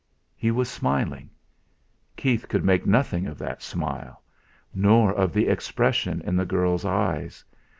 He was smiling. Keith could make nothing of that smile, nor of the expression in the girl's eyes.